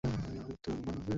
কেবল মদ না, মুনচিপসও খাইয়েছি।